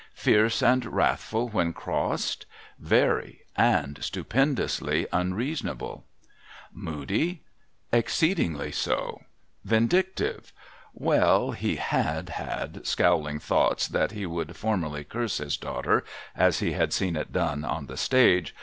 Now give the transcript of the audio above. Fierce and wrathful when crossed? Very, and stupendously unreasonable. Moody? CTi^me^Cic/'i/. d U^u 7' '^vr.r LITTLE BEBELLE 297 Exceedingly so. Vindictive ? Well ; he Juxd had scowling thoughts that he would formally curse his daughter, as he had seen it done on the stage.